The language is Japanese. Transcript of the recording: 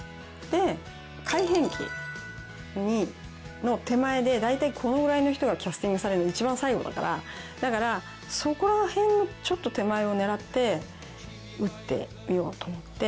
で改編期の手前で大体このぐらいの人がキャスティングされるの一番最後だからだからそこら辺のちょっと手前を狙って打ってみようと思って。